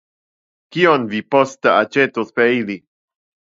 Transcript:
Kion vi poste aĉetos per ili?